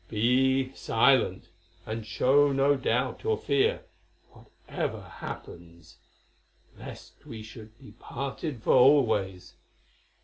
Be silent, and show no doubt or fear, whatever happens, lest we should be parted for always.